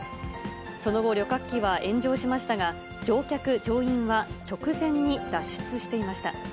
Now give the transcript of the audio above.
その後、旅客機は炎上しましたが、乗客・乗員は直前に脱出していました。